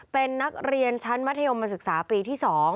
เป็นนักเรียนชั้นมัธยมศึกษาปีที่๒